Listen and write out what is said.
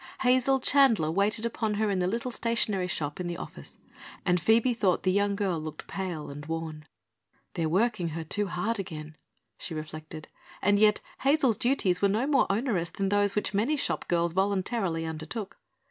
Hazel Chandler waited upon her at the little stationery shop in the office, and Phoebe thought the young girl looked pale and worn. "They're working her too hard again," she reflected, and yet Hazel's duties were no more onerous than those which many shop girls voluntarily undertook.